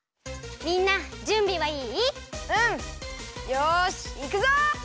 よしいくぞ！